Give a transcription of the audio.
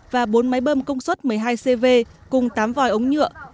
và bốn máy bơm công suất một mươi hai cv cùng tám vòi ống nhựa